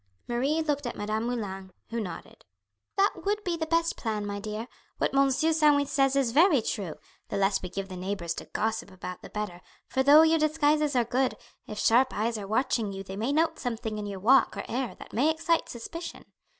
Marie looked at Madame Moulin, who nodded. "That would be the best plan, my dear. What Monsieur Sandwith says is very true. The less we give the neighbours to gossip about the better; for though your disguises are good, if sharp eyes are watching you they may note something in your walk or air that may excite suspicion."